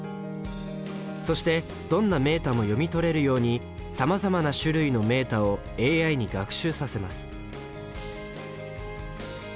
そしてどんなメータも読み取れるようにさまざまな種類のメータをＡＩに学習させます。